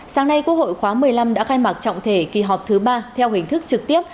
sáng nay quốc hội khóa một mươi năm đã khai mạc trọng thể kỳ họp thứ ba theo hình thức trực tiếp